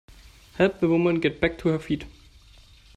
Help the woman get back to her feet.